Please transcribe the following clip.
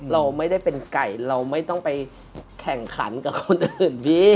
เราไม่ได้เป็นไก่เราไม่ต้องไปแข่งขันกับคนอื่นพี่